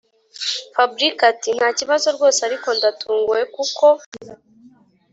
fabric ati”ntakibazo rwose ariko ndatunguwe kuko